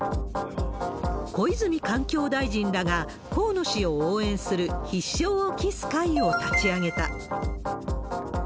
小泉環境大臣らが河野氏を応援する必勝を期す会を立ち上げた。